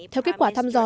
theo kết quả thăm dò